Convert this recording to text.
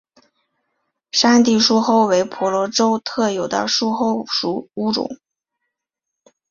山地树鼩为婆罗洲特有的树鼩属物种。